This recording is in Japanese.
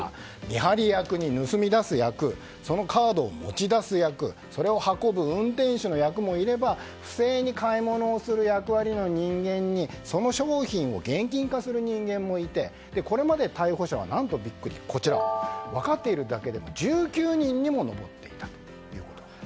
見張り役に盗み出す役そのカードを持ち出す役それを運ぶ運転手の役もいれば不正に買い物をする役割の人間にその商品を現金化する人間もいてこれまでの逮捕者は何とビックリ分かっているだけでも１９人にも上っていたということなんです。